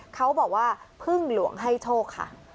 เขาบอกว่าพึ่งหลวงให้โชคค่ะ